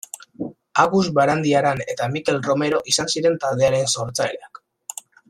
Agus Barandiaran eta Mikel Romero izan ziren taldearen sortzaileak.